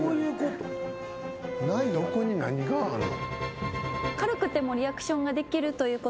どこに何があんの。